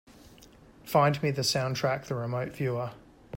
Find me the soundtrack The Remote Viewer